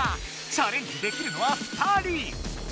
チャレンジできるのは２人。